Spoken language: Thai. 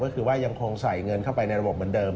ก็คือว่ายังคงใส่เงินเข้าไปในระบบเหมือนเดิม